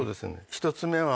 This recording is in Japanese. １つ目は。